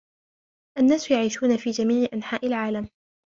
الناس يعيشون في جميع أنحاء العالم.